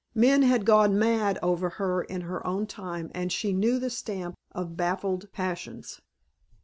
Men had gone mad over her in her own time and she knew the stamp of baffled passions.